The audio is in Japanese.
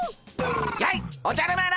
やいおじゃる丸！